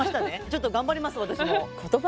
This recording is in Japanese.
ちょっと頑張ります私も。